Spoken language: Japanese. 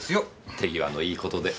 手際のいいことで。